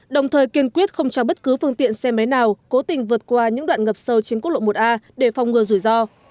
đồng thời kiên quyết không cho bất cứ phương tiện xe máy nào cố tình vượt qua những đoạn ngập sâu trên quốc lộ một a để phòng ngừa rủi ro